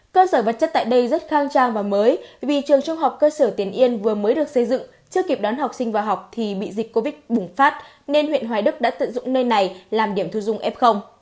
cơ sở vật chất tại đây rất khang trang và mới vì trường trung học cơ sở tiền yên vừa mới được xây dựng chưa kịp đón học sinh vào học thì bị dịch covid bùng phát nên huyện hoài đức đã tận dụng nơi này làm điểm thu dung f